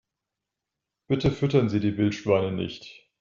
Bitte füttern Sie die Wildschweine nicht!